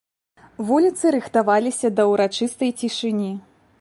Вуліцы рыхтаваліся да ўрачыстай цішыні.